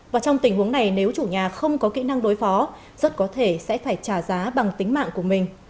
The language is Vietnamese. và trong tình huống này nếu chủ nhà không có kỹ năng đối phó rất có thể sẽ phải trả giá bằng tính mạng của mình